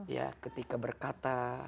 ya ketika berkata